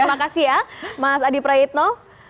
terima kasih ya mas adi praitno